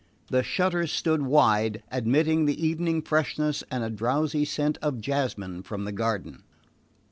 The shutters stood wide, admitting the evening freshness and a drowsy scent of jasmine from the garden.